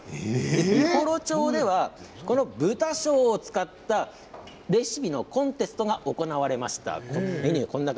美幌町では、この豚醤を使ったレシピのコンテストが行われました。